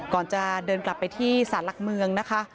ก่อนจะเดินกลับไปที่สารหลักเมืองนะคะ